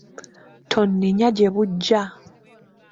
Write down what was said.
Tonnenya gye bujja.